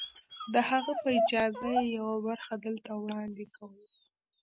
د هغه په اجازه يې يوه برخه دلته وړاندې کوو.